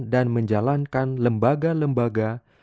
dan menjalankan lembaga lembaga